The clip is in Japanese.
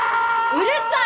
うるさい！